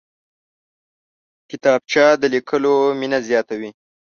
کتابچه د لیکلو مینه زیاتوي